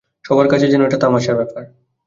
সবার কাছে যেন এটা তামাশার ব্যাপার।